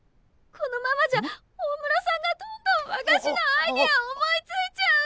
このままじゃ大室さんがどんどん和菓子のアイデアを思いついちゃう！